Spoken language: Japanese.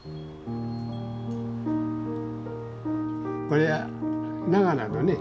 これは長良だね。